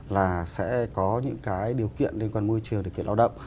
là sẽ có những cái điều kiện liên quan môi trường điều kiện lao động